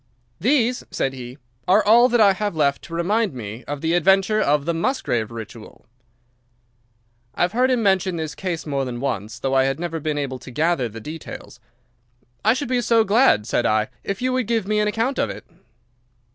"These," said he, "are all that I have left to remind me of the adventure of the Musgrave Ritual." I had heard him mention the case more than once, though I had never been able to gather the details. "I should be so glad," said I, "if you would give me an account of it."